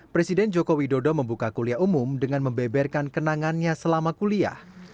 presiden joko widodo membuka kuliah umum dengan membeberkan kenangannya selama kuliah